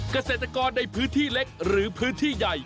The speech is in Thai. เกษตรกรในพื้นที่เล็กหรือพื้นที่ใหญ่